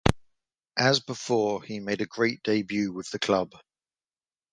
As before, he made a great debut with the club.